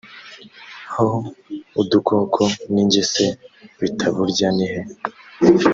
aho udukoko n ingese bitaburya nihe